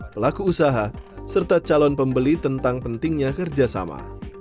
pelaku usaha serta calon pembeli tentang pentingnya kerjasama